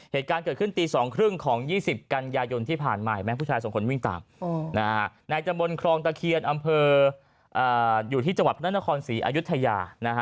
เหตุการณ์เกิดขึ้นตี๒๓๐ของ๒๐กันยายนที่ผ่านมาเห็นไหมผู้ชายสองคนวิ่งตามในตะบนครองตะเคียนอำเภออยู่ที่จังหวัดพระนครศรีอายุทยา